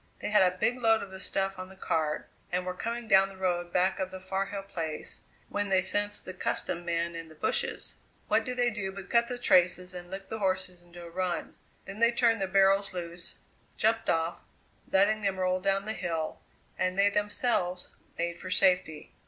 They had a big load of the stuff on the cart and were coming down the road back of the Far Hill Place when they sensed the custom men in the bushes. What do they do but cut the traces and lick the horses into a run; then they turned the barrels loose, jumped off, letting them roll down the hill, and they, themselves, made for safety.